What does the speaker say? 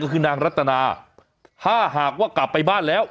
ก็คือนางรัตนาถ้าหากว่ากลับไปบ้านแล้ว